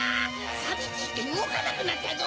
⁉さびついてうごかなくなったぞ！